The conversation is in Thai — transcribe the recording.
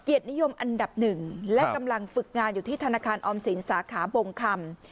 นิยมอันดับหนึ่งและกำลังฝึกงานอยู่ที่ธนาคารออมสินสาขาบงคำ